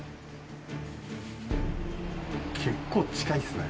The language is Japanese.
結構近いですね。